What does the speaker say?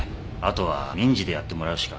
後は民事でやってもらうしか。